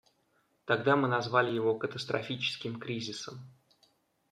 Тогда мы назвали его катастрофическим кризисом.